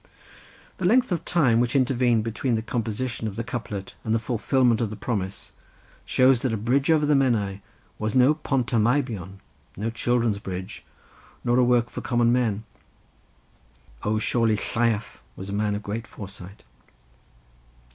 The length of time which intervened between the composition of the couplet and the fulfilment of the promise, shows that a bridge over the Menai was no pont y meibion, no children's bridge, nor a work for common men. O, surely Lleiaf was a man of great foresight!